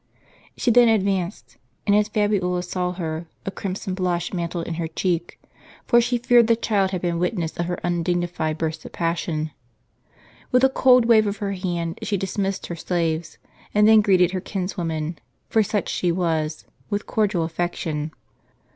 She then advanced ; and as Fabiola saw her, a crimson blush mantled in her cheek; for she feared the child had been witness of her undignified burst of passion. With a cold wave of her hand she dismissed her slaves, and then greeted her kinswoman, for such she was, with cordial affection.